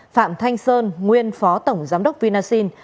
phạm thanh sơn nguyên phó tổng giám đốc vinasin